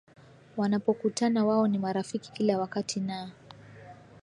Wanapokutana wao ni marafiki kila wakati na